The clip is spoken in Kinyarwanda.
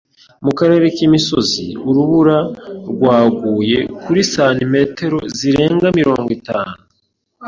Mu karere k'imisozi, urubura rwaguye kuri santimetero zirenga mirongo itanu.